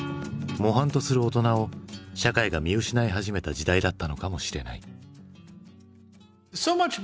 模範とする大人を社会が見失い始めた時代だったのかもしれない。